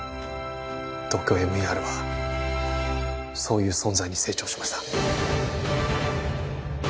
ＴＯＫＹＯＭＥＲはそういう存在に成長しました